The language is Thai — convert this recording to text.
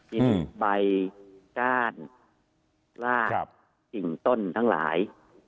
หิมไบก้านรากตั้งหลาย